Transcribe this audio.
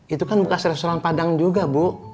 itu kan bekas restoran padang juga bu